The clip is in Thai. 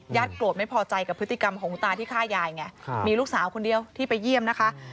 โกรธไม่พอใจกับพฤติกรรมของคุณตาที่ฆ่ายายไงมีลูกสาวคนเดียวที่ไปเยี่ยมนะคะ